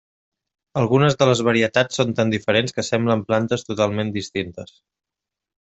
Algunes de les varietats són tan diferents que semblen plantes totalment distintes.